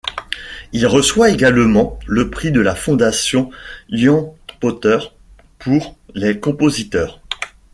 Il reçoit également le prix de la Fondation Ian Potter pour les compositeurs.